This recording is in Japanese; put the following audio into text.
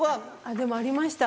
でもありました。